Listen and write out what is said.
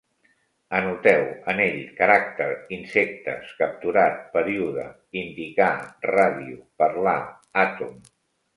Anoteu: anell, caràcter, insectes, capturat, període, indicar, ràdio, parlar, àtom